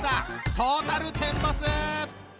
トータルテンボス！